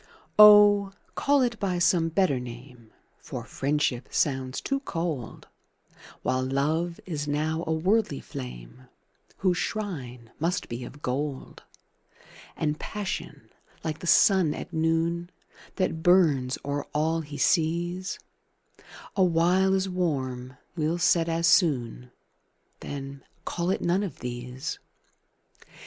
Oh, call it by some better name, For Friendship sounds too cold, While Love is now a worldly flame, Whose shrine must be of gold: And Passion, like the sun at noon, That burns o'er all he sees, Awhile as warm will set as soon Then call it none of these.